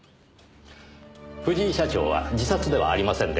藤井社長は自殺ではありませんでした。